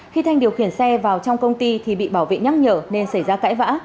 khi thanh điều khiển xe vào trong công ty thì bị bảo vệ nhắc nhở nên xảy ra cãi vã